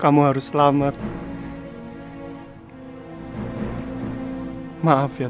kamu baik buat semuanya